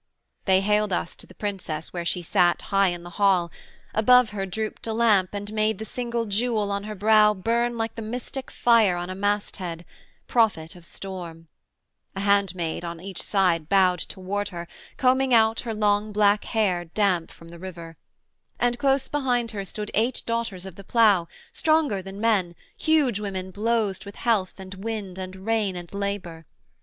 They haled us to the Princess where she sat High in the hall: above her drooped a lamp, And made the single jewel on her brow Burn like the mystic fire on a mast head, Prophet of storm: a handmaid on each side Bowed toward her, combing out her long black hair Damp from the river; and close behind her stood Eight daughters of the plough, stronger than men, Huge women blowzed with health, and wind, and rain, And labour.